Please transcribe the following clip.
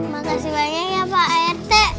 makasih banyak ya pak art